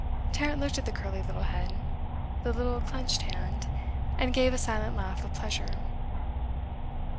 Tarrant looked at the curly little head, the little clenched hand, and gave a silent laugh of pleasure.